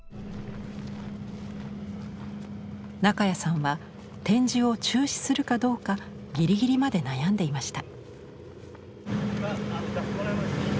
中谷さんは展示を中止するかどうかギリギリまで悩んでいました。